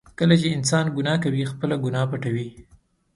کله چې انسان ګناه کوي، خپله ګناه پټوي.